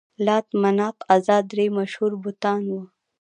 لات، منات، عزا درې مشهور بتان وو.